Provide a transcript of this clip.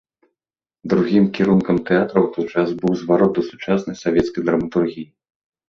Другім кірункам тэатра ў той час быў зварот да сучаснай савецкай драматургіі.